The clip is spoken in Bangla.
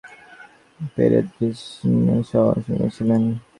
তিনি ভ্রমণ শিল্প প্রদর্শনী পেরেদভিজনকির সহ-অংশীদার ছিলেন।